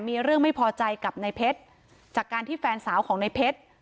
มีเรื่องไม่พอใจกับในเพชรจากการที่แฟนสาวของในเพชร